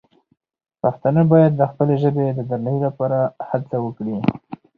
پښتانه باید د خپلې ژبې د درناوي لپاره هڅه وکړي.